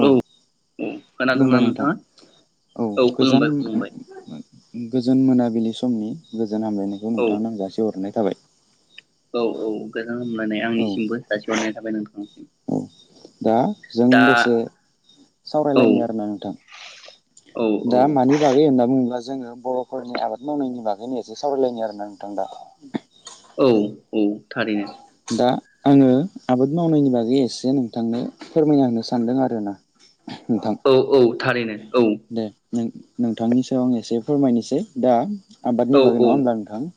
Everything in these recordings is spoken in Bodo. औ खोनादोंना खुलुमबाय नोंथां नोंथाङा औ खुलुमबाय गोजान खुलुमबाय गोजोन मोनाबिलि सम नि गोजान हामलायनायखौ औ नोंथांनो आं जासि हरनाय थाबाय औ औ गोजान हलनाय औ आंनिसिमबो सासे नाय थाबाय नोंथांनिसिम औ दा जों दसे औ सावरायलायनो आरोना नोंथां औ औ दा मानि बागै होनना बुङोब्ला जोङो बर'फोरनि आबाद मावनायनि बागै बेखायनो एसे सावरायलायनि आरोना नोंथां दा औ औ थारैनो दा आङो आबाद मावनायनि बागै एसे नोंथांनो फोरमायना होनो सानदों आर ना औ औ थारैनो औ दे नों नोंथांनि सायाव आं एसे फोरमायनोसै दा औ आबादनि बागै नङा होमब्ला नोंथां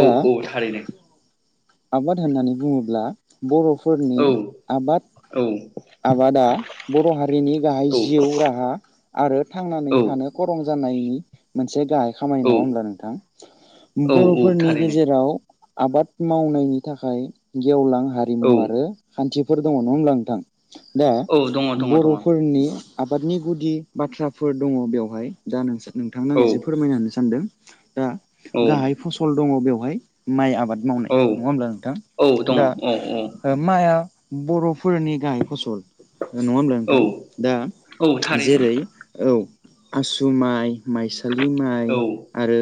औ दा औ थारैनो आबाद होननानै बुङोब्ला बर' फोरनि औ आबाद औ आबादा बर' हारिनि गाहाय औ जिउ राहा आरो थांनानै औ थानो खरं जानाय नायनि मोनसे गाहाय खामानि नङा होनोमब्ला नोंथां औ औ बर'फोरनि थारैनो गेजेराव आबाद मावनायनि थाखाय गेवलां औ हारिमु आरो खान्थि फोर दङ' नङा होनब्ला नोंथां? दा औ दङ दङ दङ बर'फोरनि आबादनि गुदि बाथ्राफोर दङ' बेवहाय दा नोंसोर नोंथांनो औ आं एसे फोरमायना होनो सानदों । दा गाहाय औ फसल दङ' बेयाव माइ आबाद मावनाय नङा होमब्ला औ नोंथां दङ औ दा माया बर'फोरनि गाय फसल नङा होमब्ला औ नोंथां दा औ थारैनो जेरै औ। आसु माइ माइसा सालि माइ औ आरो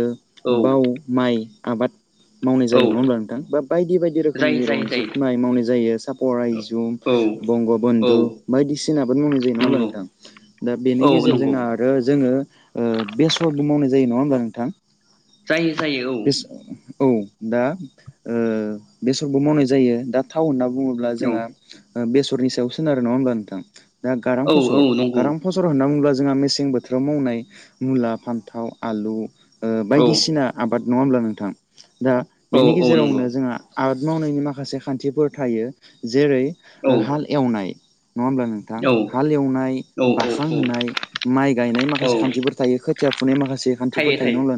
औ बाव माइ आबाद मावनाय जायो नङा औ होमब्ला नोंथां बा बायदि बायदि जायो रोखोमनि जायो रनजित जायो माइ मावनाय जायो सापर आइजुम औ बंग' बन्धु बायदिसिना आबाद मावनाय जायो नंआ होनब्ला नंगौ नोंथां दा बेनि औ नंगौ गेजेरजोंनो आरो जोङो ओ बेसरबो मावनाय जायो नङा होमब्ला नोंथां? औ जायो जायो दा ओ बेसरबो मावनाय जायो दा थाव होनना बुङोब्ला औ जोंहा बेसर सरनि सायाव सोनारो नङा होमबा नोंथां? दा गारां औ फसर औ नंगौ गारां फसर होनना बुंब्ला जों जोंहा मेसें बोथोराव मावनाय मुला, फान्थाव, आलु ओ औ बायदिसिना आबाद नङा होमब्ला नोंथां? दा औ बेनि औ नंगौ गेजेरावनो जोंहा आबाद मावनायनि माखासे खान्थिफोर थायो जेरै औ ओ हाल एवनाय नङा होमब्ला नोंथां हाल एवनाय औ बाखां औ होनाय माइ गायनाय औ माखासे खान्थिफोर थायो खोथिया थिया फुनाय माखासे थि खान्थिफोर थायो नंआ होमब्ला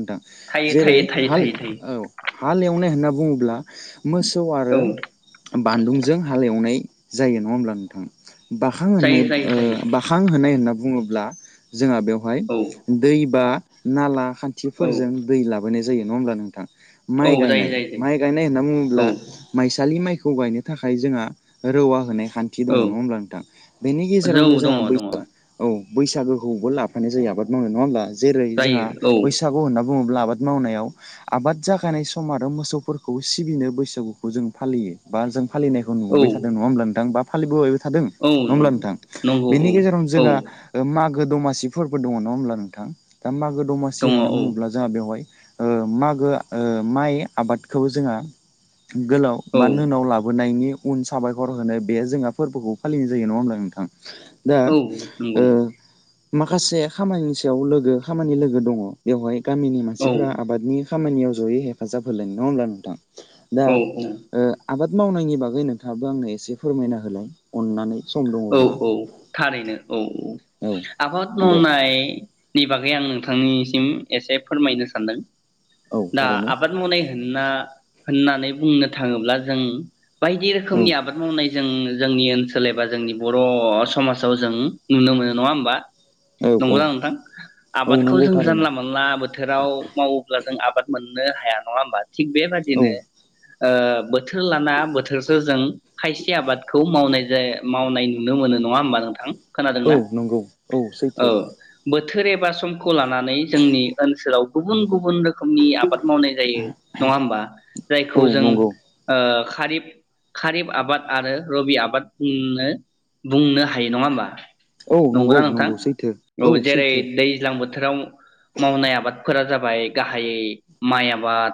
थायो नोंथां जेरै थायो थायो हाल थायो थायो औ हाल एवनाय होनना बुङोब्ला मोसौ आरो औ बानदुंजों हालेवनाय जायो नङा होमब्ला नोंथां बाखां जायो होननाय जायो ओ जायो बाखां होनाय होनना बुङोब्ला जोंहा बेवहाय औ दै बा नाला औ खान्थिफोरजों दै लाबोनाय जायो नङा होमब्ला नोंथां औ माइ जायो गायनाय जायो माइ जायो गायनाय होनना बुङोब्ला माइसालि माइखौ ओ गायनो थाखाय जोंहा रौवा होनाय खान्थि औ दङ नङा होमब्ला नोंथां बेनि जौ गेजेरावनो दङ दङ जोंहा [unintelligible] औ बैसागोखौबो लाफानाय जायो आबाद मावनाय नङा होमब्ला जेरै जोंहा जायो औ बैसागु होनना बुङोब्ला आबाद मावनायाव आबाद जाखायनाय सम आरो मोसौफोरखौ सिबिनो बैसागुखौ जों फालियो बा जों फालिनायखौ औ नुबोबाय ओनथां बा फालिबोबाय थादों औ नङा होमब्ला नंगौ नोंथां नंगौ औ बेनि गेजेरावनो औ जोंहा मागो गो दमासिफोरबो दङ नङा होनब्ला नोंथां दा मागो दमासि दङ औ होनना बुङोब्ला जोंहा बेवहाय ओ मागो ओ माइ आबादखौ जोंहा गोलाव औ बा नोनाव लाबोनायनि [unintelligible] साबायखर होनो बे जोंहा फोरबोखौ फालिनाय जायो नङा होमब्ला नोंथां दा औ ओ नंगौ माखासे खामानि सायाव लोगो खामानि लोगो दङ बेवहाय गामिनि औ मानसिफोरा आबादनि खामानियाव जयै हेफाजाब होलायो नङा होनमब्ला नोंथां दा औ औ ओ आबाद मावनायनि बागैनो थाबो आंनो एसे फोरमायना होलाय अननानै। सम औ दङब्ला औ थारैनो औ औ आबाद दे मावनायनि बागै आं नोंथांनिसिम एसे फोरमायनो सानदों। औ दा थारैनो आबाद मावनाय होनना होननानै बुंनो थाङोब्ला जों बायदि औ रोखोमनि आबाद मावनाय जों जोंनि ओनसोल एब बा जोंनि बर' समाजाव जों नुनो मोनो नङा होमबा? औ औ नंगौना नोंथां औ आबादखौ नंगौ जों थारैनो जानला मोनला बोथोराव मावोब्ला जों आबाद मोननो हाया नङा होमबा? थिग बे औ बादिनो ओ बोथोर लाना बोथोरसो जों खायसे आबादखौ मावनाय जाय मावनाय नुनो मोनो नङा होमबा नोंथां? औ खोनादोंना नंगौ औ सैथो। बोथोर एबा समखौ लानानै जोंनि ओनसोलाव गुबुन गुबुन रोखोमनि आबाद मावनाय जायो नङा होनबा औ जायखौ जों नंगौ ओ खारिब खारिब आबाद आरो रबि आबाद बुंनो हायो नङा होमबा। औ नंगौ नंगौना नोंथां नंगौ सैथो औ जेरै सैथो। दैज्लां बोथोराव मावनाय आबादफोरा जाबाय गाहायै माइ आबाद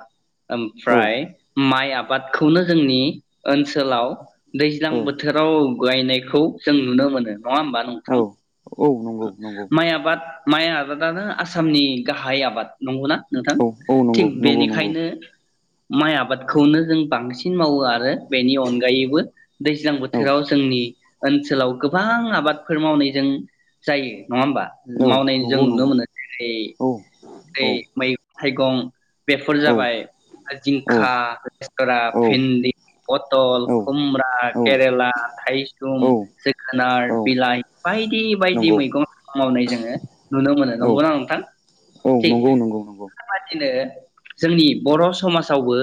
औ ओमफ्राय माइ आबादखौनो जोंनि ओनसोलाव दैज्लां औ बोथो राव गायनायखौ जों नुनो मोनो। नङा होमबा औ नोंथां औ नंगौ नंगौ माइ आबाद माइ आबादानो आसामनि गाहाय आबाद नंगौना। नोंथां औ औ थिग नंगौ नंगौ नंगौ बेनिखायनो माइ आबादखौनो जों बांसिन मावो आरो बेनि अनगायैबो दै औ थोराव जोंनि ओनसोलाव गोबां आबादफोर मावनायजों जायो। नङा होमबा औ मावनाय जों नंगौ नुनो नंगौ मोनो जेरै औ रै औ मै थाइगं बेफोर औ जाबाय औ जिंखा, रेस्तरा, भिन्दि, पथल, औ खुमब्रा औ केरेला थायसुम औ जोगोनार औ बिलाइ बायदि बायदि नंगौ मैगं मावनाय जोङो नुनो मोनो औ नंगौना नोंथां औ थिख नंगौ नंगौ नंगौ बेबादिनो जोंनि बर' समाजावबो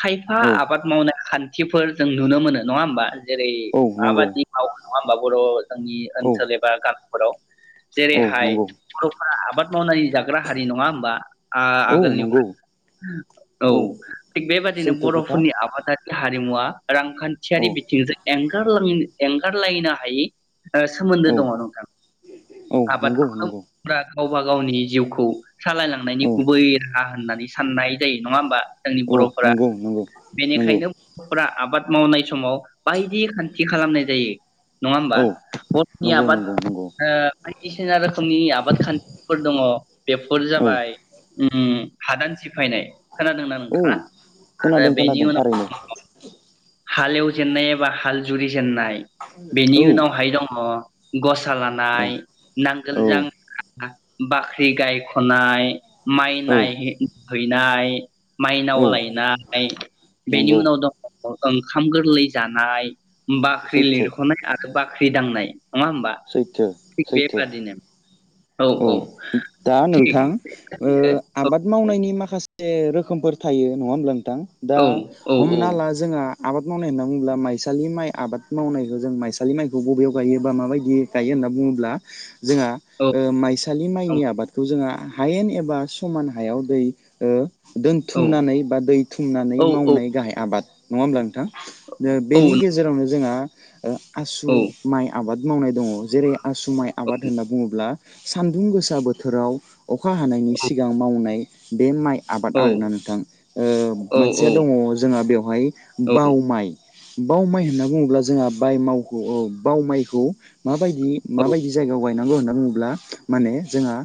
खायफा औ आबाद मावनाय खान्थिफोर जों नुनो मोनो नङा होमबा जेरै औ नंगौ माबादि मावो नङा होमबा बर' जोंनि औ ओनसोल एबा गामिफोराव औ जेरैहाय नंगौ बर'फोरा आबाद मावनानै जाग्रा हारि नङा होमबा औ आ-आगोलनि नंगौ फ्रायनो औ थिग बेबायदिनो सैथो खोथा बर'फोरनि आबादारि हारिमुवा औ रांखान्थियारि बिथिंजों एंगारलांयिनि एंगारलायनो हायि ओ सोमोन्दो औ दङ नोंथां औ नंगौ आबादखौ नंगौ [unintelligible] गावबा गावनि जिउखौ सालायलांनायनि औ गुबै राहा होननानै साननाय जायो नङा होमबा जोंनि औ बर'फोरा नंगौ नंगौ नंगौ बेनिखायनो बर'फोरा आबाद मावनाय समाव बायदि खान्थि खालामनाय जायो नङा होमबा औ बर'नि नंगौ आबाद‌ नंगौ नंगौ ओ बायदिसिना रोखोमनि आबाद खान्थिफोर दङ बेफोर औ जाबाय उम हादान सिफायनाय खोनादोंना औ नोंथाङा खोनादों खोनादों थारैनो हालेवजेननायबा हाल जुरि जेननाय बेनि औ उनावहाय दङ गस सा औ लानाय नांगोल औ जांख्रा बाख्रि गाय ख'नाय माइ नाय हैनाय औ माइनाव लायनाय बेनि नंगौ उनाव दङ ओंखाम गोरलै जानाय बाख्रि सैथो लिरख'नाय आरो बाख्रि दांनाय नङा होमबा सैथो थिग सैथो बेबादिनो औ औ थां ओ आबाद मावनायनि माखासे से रोखोमफोर थायो नङा होमब्ला नों थां दा औ औ औ हमना ला जोंहा आबाद मावनाय होनना बुङोब्ला माइसालि माइ आबाद मावनायखौ जों माइसालि माइखौ बबेयाव गायो बा माबायदि गायो होनना बुङोब्ला जोंहा औ ओ माइसालि माइनि आबादखौ जोंहा हायेन एबा समान हायाव दै ओ औ दोनथुमनानै बा दै थुमनानै औ औ मावनाय गाहाय आबाद नङा होमब्ला नोंथां बेनि गेजेरावनो जोंहा [inaudible] ओ आसु माइ आबाद मावनाय दङ जेरै आसु माइ आबाद होनना बुङोब्ला सान्दुं गोसा बोथोराव अखा हानायनि औ सिगां मावनाय बे माइ आबाद औ आरोना नोंथां ओ औ मोनसेया दङ जोंहा बेवहाय बाव माइ बाव माइ होनना बुङोब्ला जोंहा बाय मावखौ औ बाव माइखौ माबायदि माबायदि जायगायाव गायनांगौ होनना बुङोब्ला माने जोंहा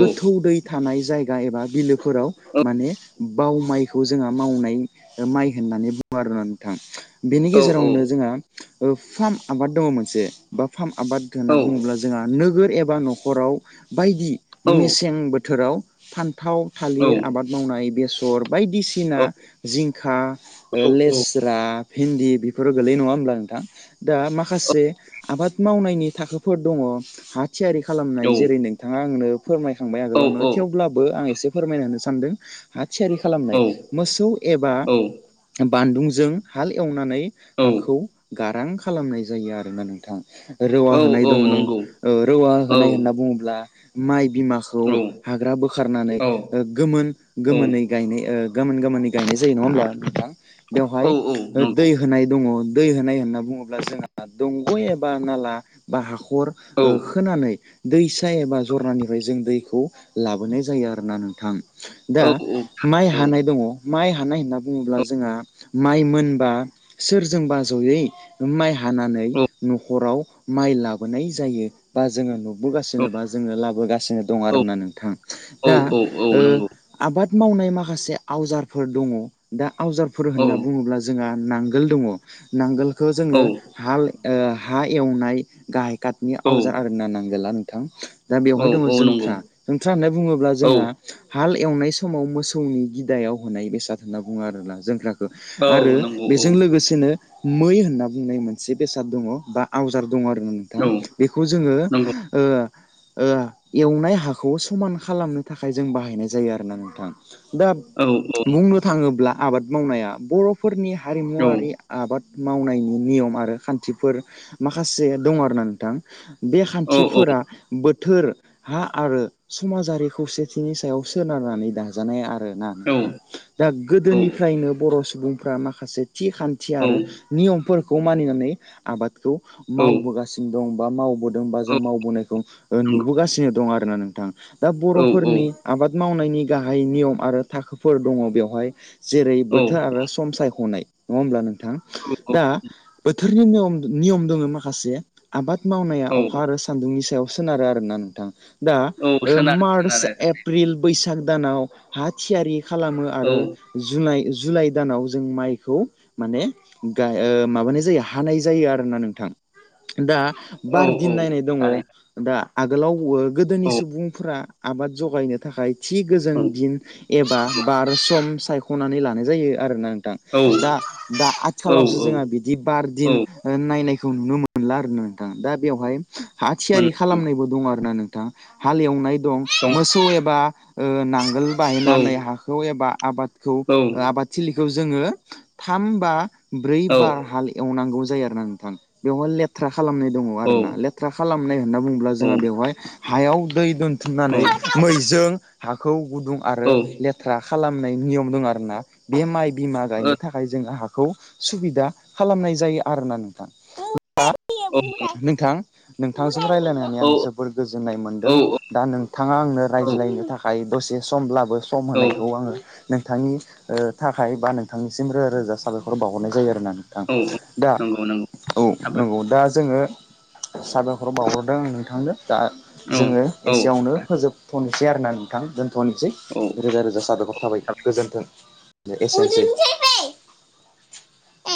गोथौ दै था थानाय जायगा एबा बिलो फोराव माने बाव माइखौ जोंहा मावनाय माइ होननानै बुङो आरोना नोंथां बेनि गेजेरावनो जोंहा औ फार्म आबाद दङ मोनसे बा फार्म आबाद होनना बुङोब्ला जोंहा नोगोद एबा न' हराव बायदि मेसें बोथोराव फान थाव थालिर आबाद मावनाय बेस [unintelligible] बायदिसिना जिंखा ओ लेस्रा भिन्दि बेफोरो गोलैयो नङा होमब्ला नोंथां दा माखासे आबाद मावनायनि थाखोफोर दङ हा थियारि खा खालामनाय जेरै नोंथाङा आंनो फोरमायखांबाय आगोलावनो थेवब्लाबो आं एसे फोरमायना होनो सानदों हा थियारि खालामनाय मोसौ एबा ह बानदुंजों हाल एवनानै औ हाखौ गारां खालामनाय जायो आरोना नोंथां रौवा होनाय औ दङ ओ नंगौ रौवा औ होनाय होनना बुङोब्ला माइ बिमाखौ औ हाग्रा बोखारनानै औ ओ गोमोन गोमोनै गायनाय ओ गोमोन गोमोनै गायनाय जायो नङा होमब्ला नोंथां औ बेवहाय औ नंगौ दै होनाय दङ दै होनाय होनना बुङोब्ला जोंहा दंग' एबा नाला बा हाखर खर औ ओ खोनानै दैसा एबा जरनानिफ्राय जों दैखौ लाबोनाय जायो आरोना नोंथां औ दा औ माइ थारैनो हानाय दङ माइ हानाय होनना बुङोब्ला औ जोंहा माइ मोनबा सोरजोंबा ज'यै माइ हानानै औ न'खराव माइ लाबोनाय जायो बा जोङो नु औ बोगासिनोबा जोङो लाबोगासिनो दं आरोना नोंथां औ दा औ ओ नंगौ आबाद मावनाय माखासे आवजारफोर दङ दा आवजारफोर औ होनना बुङोब्ला जोंहा नांगोल दङ नांगोल खो औ जोङो हाल ओ हा एवनाय गाहाय काटनि औ आवजार आरोना नां गोला नोंथां दा बेवहाय दङ औ नंगौ जोंथ्रा जोंथ्रा होननानै बुङोब्ला औ नंगौ औ जोंहा हाल एवनाय समाव मोसौनि गिदायाव होनाय बेसाद होनना बुङो आरोना जोंग्रा आरो औ नंगौ औ बेजों औ औ लोगोसेनो मै होनना बुंनाय मोनसे बेसाद दङ बा आवजार दं आरोना नोंथां बेखौ जोङो ओ ओ एवनाय हाखौ समान खालामनो थाखाय जों बाहायनाय जायो आरोना नोंथां दा बुंनो थाङोब्ला आबाद मावनाया बर'फोरनि हारिमुवारि आबाद मावनायनि नियम आरो खान्थिफोर माखासे दं आरो ना नोंथां बे थिफोरा थोर हा आरो समाजारि खौसेथिनि सायाव सोनारनानै दाजानाय आरो ना औ नोंथां दा औ औ गोदोनिफ्रायनो बर' सु सुबुंफ्रा माखासे थि खान्थि औ आरो नियमफोर खौ मानिनानै आबाद खौ औ मावबोगासिनो दं बा मावबोदों जों औ मावबोनायखौ नंगौ नुबोगासिनो दं आरोना नों दां दा औ बर'फोरनि आबाद मावनायनि गाहाय नियम आरो थाखोफोर दङ बेवहाय जेरै औ बोथोर आरो सम सायखनाय नङा होमब्ला नों थां? औ दा बोथोरनि नियम दङ माखासे आबाद मावनाया औ अखा सान्दुंनि सायाव सोनारो आरो ना नोंथां। दा औ ओ सोनारो सोनारो मार्च एप्रिल बैसा बैसाग दानाव हा थियारि खालामो औ आरो जुलाइ जुलाइ दानाव जों माइखौ माने माबानाय जायो हानाय जायो आरोना नोंथां दा औ भार दिन औ नायनाय दङ' थारैनो दा आगोलावबो गोदोनि औ सुबुंफ्रा आबाद जगायनो थाखाय थि गोजोन औ दिन एबा बार सम सायख'नानै लानाय जायो आरोना औ दा-दा-दा औ आथिखालावसो औ जोंङो बिदि बारदिन औ ओ नायनाय खौ नुनो मोनला आरो नोंथां दा बेवहाय हा मोन थियारि खालामनायबो दं आरोना नों थां हाल एवनाय दं मोसौ एबा ओ नां ओ औ बाहायनानै हाखौ एबा आबादखौ औ ओ आबाद थिलिखौ जोङो थाम बा ब्रै बार हाल एवनांगौ जायो आरो ना नोंथां बेवहाय लेथ्रा खालामनाय दङ'। [unintelligible] लेथ्रा खालामनाय होनना बुङोब्ला जोंहा बेवहाय हायाव दै दोन थुमनानै मैजों हाखौ गुदुं आरो लेथ्रा खा खालामनाय नियम दं आरोना बेयो माइ बिमा गायनो थाखाय जों हा खौ सुबिदा खालामनाय जायो आरोना नोंथां [unintelligible] नोंथां खौ रायलायनानै आं जोबोर गोजोन्नाय मोनदों दा नोंथाङा आंनो रायज्लायनो थाखाय दसे समब्लाबो सम औ होनायखौ आङो नोंथांनि ओ थाखाय बा नोंथांनिसिम रोजा रोजा साबायखर बावहरनाय जायो आरोना नोंथां औ दा नंगौ नंगौ औ नंगौ दा जोङो साबायखर बावहरदों आं नोंथांनो दा साबायखर जोङो औ एसेयावनो फोजोबथ'नि थियार ना नोंथां जों थनोसै औ रोजा रोजा साबायखर थाबाय गोजोन्थों। [unintelligible]